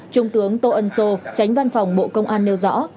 trung tướng tô ân sô tránh văn phòng bộ công an nêu rõ